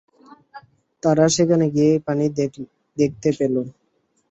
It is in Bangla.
তারা সেখানে গিয়েই পানি দেখতে পেল।